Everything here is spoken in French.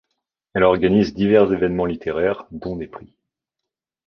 Elle organise divers événements littéraires, dont des prix.